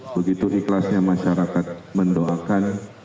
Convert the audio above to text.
begitu ikhlasnya masyarakat mendoakan